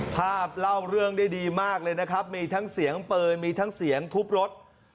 เล่าเรื่องได้ดีมากเลยนะครับมีทั้งเสียงปืนมีทั้งเสียงทุบรถ